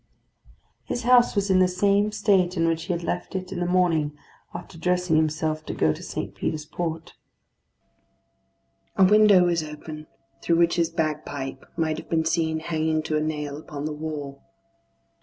His house was in the same state in which he had left it in the morning, after dressing himself to go to St. Peter's Port. A window was open, through which his bagpipe might have been seen hanging to a nail upon the wall.